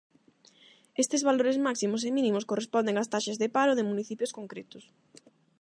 Estes valores máximos e mínimos corresponden ás taxas de paro de municipios concretos.